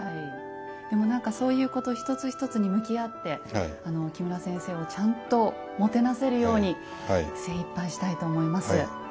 でも何かそういうこと一つ一つに向き合って木村先生をちゃんともてなせるように精いっぱいしたいと思います。